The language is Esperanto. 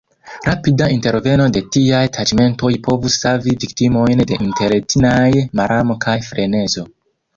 Rapida interveno de tiaj taĉmentoj povus savi viktimojn de interetnaj malamo kaj frenezo.